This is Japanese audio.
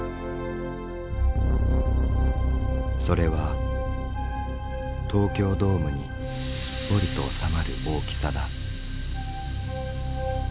それは東京ドームにすっぽりと収まる大きさだ。